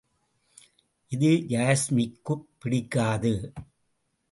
இது யாஸ்மிக்குப் பிடிக்காது.